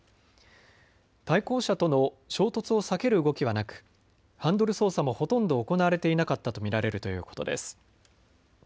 対向車との衝突を避ける動きはなくハンドル操作もほとんど行われていなかったと見られるということです。